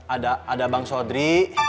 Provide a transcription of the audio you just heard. ada ada bang sodri